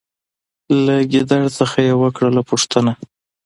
له ګیدړ څخه یې وکړله پوښتنه